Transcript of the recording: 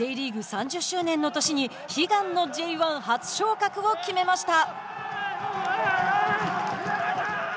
３０周年の年に悲願のＪ１初昇格を決めました。